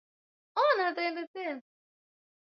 takwimu zinasema kuwa watu mia saba kumi na mbili waliokolewa